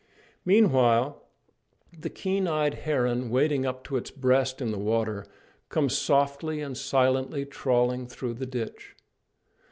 ——Meanwhile, the keen eyed heron, wading up to its breast in the water, comes softly and silently trawling through the ditch.